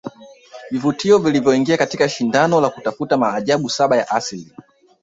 Vivutio vilivyoingia katika shindano la kutafuta maajabu saba ya Asili